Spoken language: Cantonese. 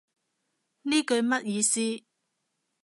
呢句乜意思